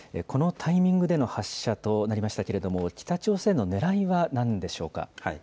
このタイミングでの発射となりましたが北朝鮮のねらいは何なんでしょうか。